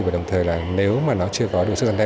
và đồng thời nếu nó chưa có đủ sức dân đe